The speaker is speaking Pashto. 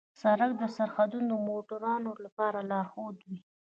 د سړک سرحدونه د موټروانو لپاره لارښود وي.